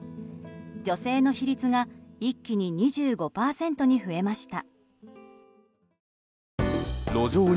女性の比率が一気に２５％に増えました。